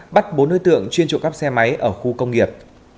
bắt bốn đối tượng chuyên trộm cắp xe máy ở khu công nghiệp